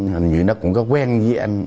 hình như nó cũng có quen với anh